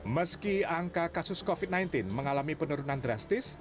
meski angka kasus covid sembilan belas mengalami penurunan drastis